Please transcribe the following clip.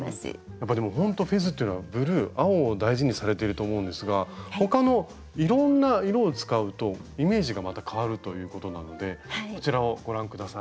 やっぱほんとフェズっていうのはブルー青を大事にされていると思うんですが他のいろんな色を使うとイメージがまた変わるということなのでこちらをご覧下さい。